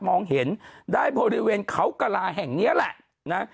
มองเห็นได้บริเวณเขากระลาแห่งนี้แหละนะ